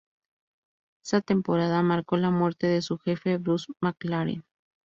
Esta temporada marcó la muerte de su jefe Bruce McLaren.